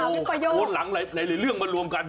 ไอดีโปโรนหลังหลายเรื่องมารวมกัน